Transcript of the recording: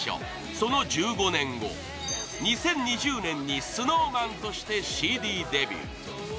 その１５年後２０２０年にＳｎｏｗＭａｎとしてＣＤデビュー。